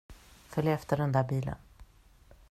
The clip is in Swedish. Följ efter den där bilen.